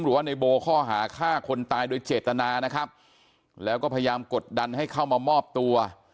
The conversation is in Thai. หรือว่าในโบข้อหาฆ่าคนตายโดยเจตนานะครับแล้วก็พยายามกดดันให้เข้ามามอบตัว